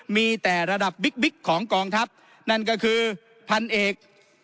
มีแต่ระดับบิ๊กบิ๊กของกองทัพนั่นก็คือพันเอก